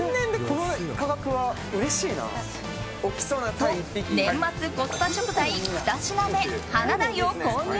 と、年末コスパ食材２品目ハナダイを購入。